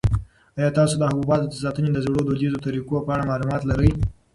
آیا تاسو د حبوباتو د ساتنې د زړو دودیزو طریقو په اړه معلومات لرئ؟